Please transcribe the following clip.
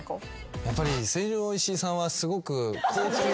やっぱり成城石井さんはすごく高級な。